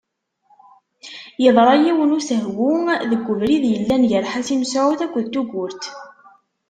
Yeḍṛa yiwen n usehwu deg ubrid yellan gar Ḥasi Mesεud akked Tugurt.